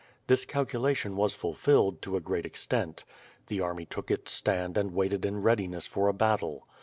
This calculation was fulfilled, to a great ex tent. The army took its stand and waited in readiness for a battle.